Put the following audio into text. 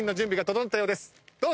どうぞ！